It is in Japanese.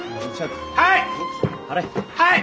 はい！